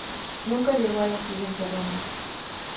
Nunca llegó a la siguiente ronda.